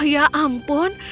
oh ya ampun